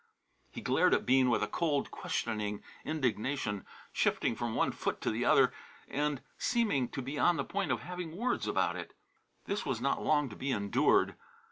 He glared at Bean with a cold, questioning indignation, shifting from one foot to the other, and seeming to be on the point of having words about it. This was not long to be endured.